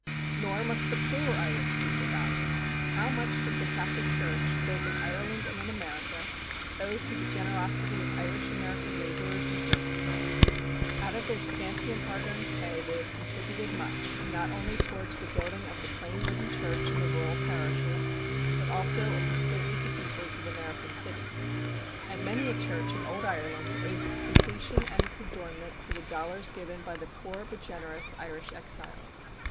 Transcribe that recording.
Nor must the poorer Irish be forgotten. How much does the Catholic Church, both in Ireland and in America, owe to the generosity of Irish American laborers and servant girls! Out of their scanty and hard earned pay they have contributed much not only towards the building of the plain wooden church in the rural parishes, but also of the stately cathedrals of American cities. And many a church in old Ireland owes its completion and its adornment to the dollars given by the poor but generous Irish exiles.